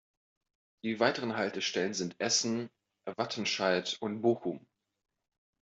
Die weiteren Haltestellen sind Essen, Wattenscheid und Bochum.